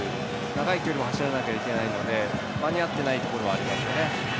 長い距離を走らないといけないので間に合っていないところはありますよね。